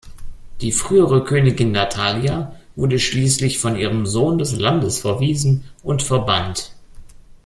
Die frühere Königin Natalia wurde schließlich von ihrem Sohn des Landes verwiesen und verbannt.